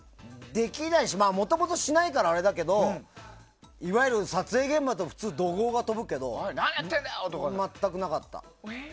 できないしもともとしないからあれだけどいわゆる撮影現場とかって普通、怒号が飛ぶけど全くなかった。